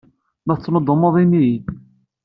Ma tettnuddumeḍ, ini-yi-d.